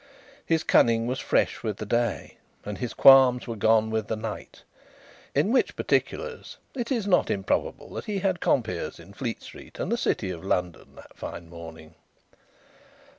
His cunning was fresh with the day, and his qualms were gone with the night in which particulars it is not improbable that he had compeers in Fleet street and the City of London, that fine morning.